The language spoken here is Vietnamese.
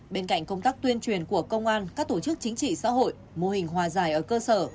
bên cạnh công tác tuyên truyền của công an các tổ chức chính trị xã hội mô hình hòa giải ở cơ sở